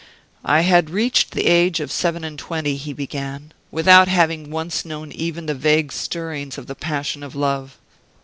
"I had reached the age of seven and twenty," he began, "without having once known even the vague stirrings of the passion of love.